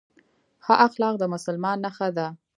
ښه اخلاق د مسلمان نښه ده